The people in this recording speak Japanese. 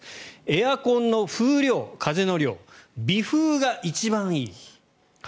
エアコンの風量、風の量微風が一番いい。